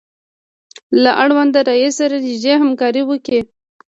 له اړونده رئیس سره نږدې همکاري وکړئ.